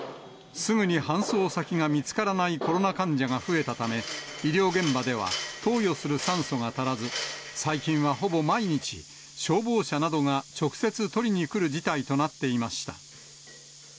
すぐに搬送先が見つからないコロナ患者が増えたため、医療現場では投与する酸素が足らず、最近はほぼ毎日、消防車などが直接取りに来る事態となっていました。